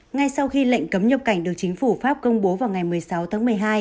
ngay sau khi lệnh cấm nhập cảnh được chính phủ pháp công bố vào ngày một mươi sáu tháng một mươi hai